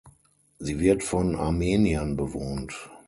Sie wird von Armeniern bewohnt.